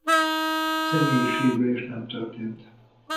Személyi sérülés nem történt.